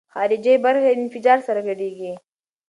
خارجي برخې انفجار سره ګډېږي.